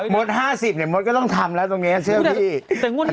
มดห้าสิบเนี้ยมดก็ต้องทำแล้วตรงนี้ครับเชื่อชิคกี้พี